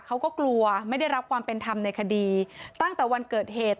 เขาก็กลัวไม่ได้รับความเป็นธรรมในคดีตั้งแต่วันเกิดเหตุ